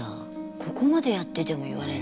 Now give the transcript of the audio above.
ここまでやってても言われんだ。